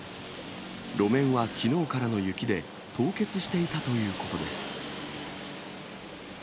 路面はきのうからの雪で、凍結していたということです。